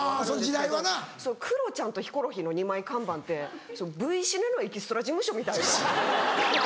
その時代はな。クロちゃんとヒコロヒーの二枚看板ってＶシネのエキストラ事務所みたいな。